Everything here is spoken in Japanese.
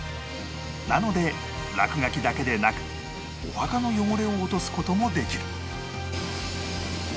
なので落書きだけでなくお墓の汚れを落とす事もできる